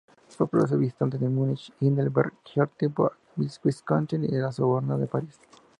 Fue profesor visitante en Múnich, Heidelberg, Georgetown, Wisconsin y en la Sorbona de París.